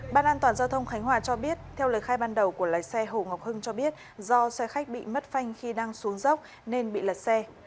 ban an toàn giao thông khánh hòa cho biết theo lời khai ban đầu của lái xe hồ ngọc hưng cho biết do xe khách bị mất phanh khi đang xuống dốc nên bị lật xe